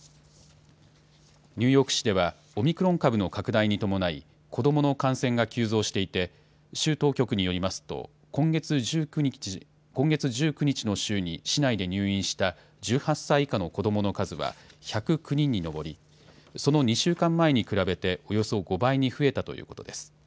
ニューヨーク市では、オミクロン株の拡大に伴い、子どもの感染が急増していて、州当局によりますと、今月１９日の週に市内で入院した１８歳以下の子どもの数は、１０９人に上り、その２週間前に比べて、およそ５倍に増えたということです。